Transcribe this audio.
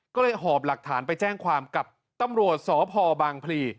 ก็เลยหอบหลักฐานไปแจ้งความกับตำรวจสพบางพลี